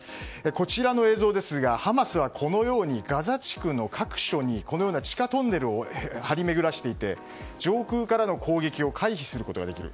こちらの映像ですがハマスはこのようにガザ地区の各所に地下トンネルを張り巡らしていて上空からの攻撃を回避することができる。